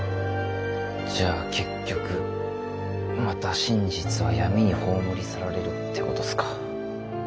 じゃあ結局また真実は闇に葬り去られるってことすか？